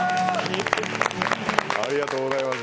ありがとうございます。